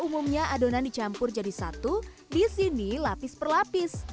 umumnya adonan dicampur jadi satu disini lapis per lapis